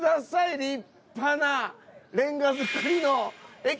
立派なレンガ造りの駅！